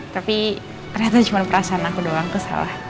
tapi ternyata cuma perasaan aku doang kesalah